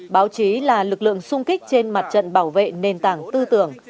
báo chí là lực lượng sung kích trên mặt trận bảo vệ nền tảng tư tưởng